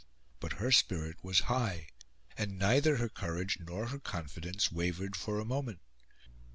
But her spirit was high, and neither her courage nor her confidence wavered for a moment.